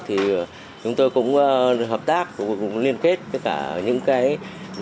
thì chúng tôi cũng hợp tác cũng liên kết với cả những doanh nghiệp